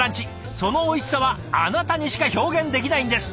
そのおいしさはあなたにしか表現できないんです。